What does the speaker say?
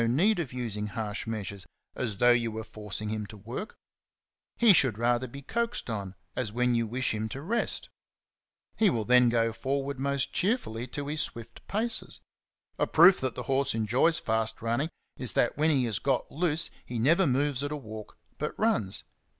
59 need of using harsh measures, as though you were forcing him to work; he should rather be coaxed on, as when you wish him to rest. He will then go forward most cheerfully to his swift paces. A proof that the horse enjoys fast running is that when he has got loose he never moves at a walk, but runs.